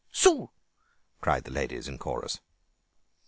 Shoo!" cried the ladies in chorus.